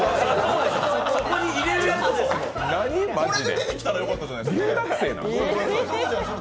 これで出てきたらよかったじゃないですか。